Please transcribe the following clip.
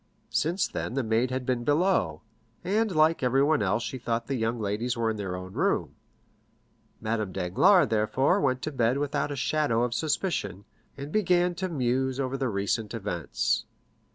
Since then the maid had been below, and like everyone else she thought the young ladies were in their own room; Madame Danglars, therefore, went to bed without a shadow of suspicion, and began to muse over the recent events.